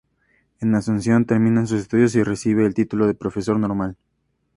En Asunción, termina sus estudios y recibe el título de profesor normal.